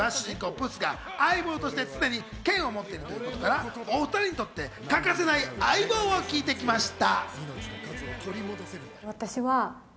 ・プスが相棒として常に剣を持っていることから、お２人にとって欠かせない相棒を聞いてみました。